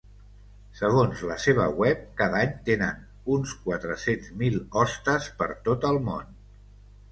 Segons la seva web cada any tenen uns quatre-cents mil hostes per tot el món.